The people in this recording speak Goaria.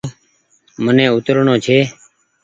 مني اوترڻو ڇي۔